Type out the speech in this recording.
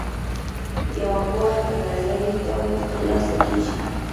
یوه پوهه په نظري ډول ترلاسه کیږي.